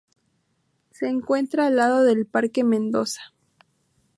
Se encuentra al lado del parque Mendoza.